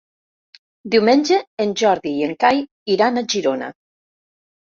Diumenge en Jordi i en Cai iran a Girona.